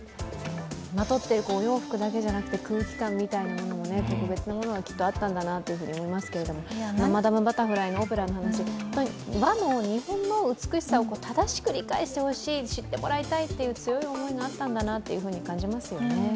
まとっているお洋服だけじゃなくて空気感みたいなものも特別なものがあったんだなと思いますがマダム・バタフライのオペラの話和の日本の美しさを正しく知ってほしい、理解してもらいたいという強い思いがあったんだなというふうに感じますよね。